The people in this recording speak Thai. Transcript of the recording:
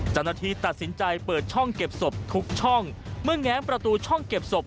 เจ้าหน้าที่ตัดสินใจเปิดช่องเก็บศพทุกช่องเมื่อแง้มประตูช่องเก็บศพ